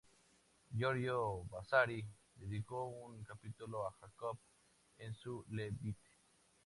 Giorgio Vasari dedicó un capítulo a Jacopo en su Le Vite.